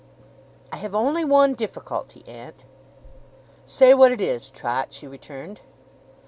'I have only one difficulty, aunt.' 'Say what it is, Trot,' she returned.